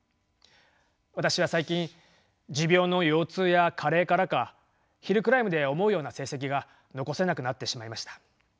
私は最近持病の腰痛や加齢からかヒルクライムで思うような成績が残せなくなってしまいました。